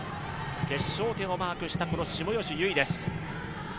決勝点をマークしたこの下吉優衣です。